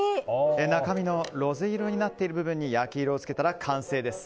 中身のロゼ色になっている部分に焼き色を付けたら完成です。